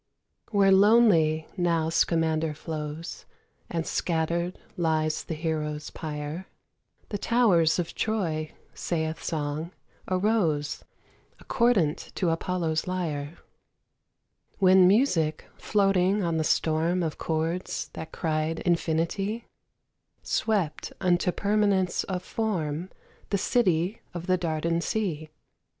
Where lonely now Scamander flows And scattered lies the hero's pyre, The towers of Troy (saith Song) arose Accordant to Apollo's lyre, When Music, floating on the storm Of chords that cried Infinity, Swept unto permanence of form The city of the Dardan sea.